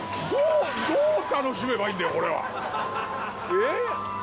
えっ？